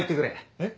えっ？